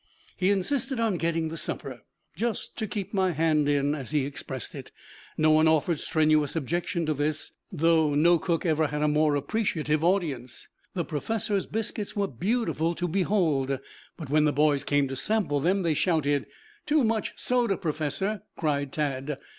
He insisted on getting the supper, "just to keep my hand in," as he expressed it. No one offered strenuous objection to this, though no cook ever had a more appreciative audience. The professor's biscuits were beautiful to behold, but when the boys came to sample them they shouted. "Too much soda, Professor," cried Tad.